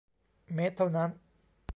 เมตรเท่านั้น